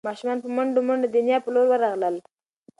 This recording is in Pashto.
ماشومان په منډو منډو د نیا په لور ورغلل.